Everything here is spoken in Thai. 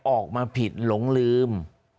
ออกมาผิดหลงลืม